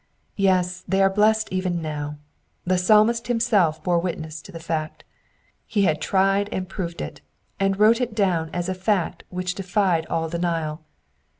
Yes, they are blessed even now. The Psalmist himself bore witness to the fact : he had tried and proved it, and wrote it down as a fact which defied all denial.